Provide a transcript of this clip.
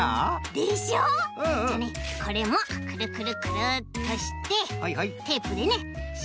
でしょ！じゃねこれもくるくるくるっとしてテープでねしっかりとペタッと！